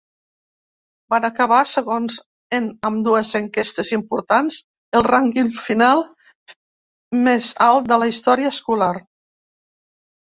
Van acabar segons en ambdues enquestes importants, el rànquing final més alt de la història escolar.